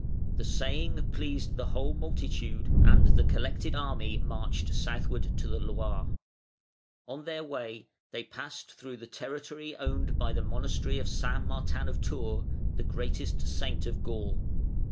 The saying pleased the whole multitude, and the collected army inarched southward to the Loire. On their way they passed through the territory owned by the monastery of St. Martin of Tours, the greatest saint of Gaul.